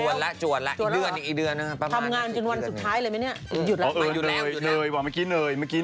ทำงานจนวันสุดท้ายเลยไหมเนี่ย